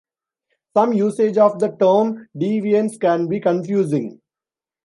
Some usage of the term "deviance" can be confusing.